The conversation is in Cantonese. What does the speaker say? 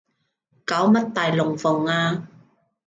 搞乜大龍鳳啊